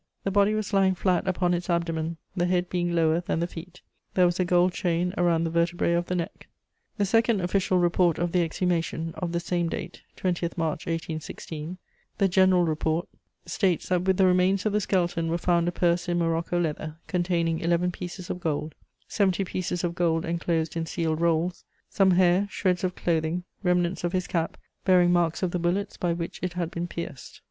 The body was lying flat upon its abdomen, the head being lower than the feet; there was a gold chain around the vertebrae of the neck. The second official report of the exhumation (of the same date, 20 March 1816), "the general report," states that with the remains of the skeleton were found a purse in morocco leather containing eleven pieces of gold, seventy pieces of gold enclosed in sealed rolls, some hair, shreds of clothing, remnants of his cap bearing marks of the bullets by which it had been pierced.